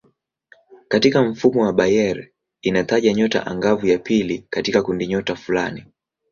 Katika mfumo wa Bayer inataja nyota angavu ya pili katika kundinyota fulani.